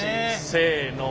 せの。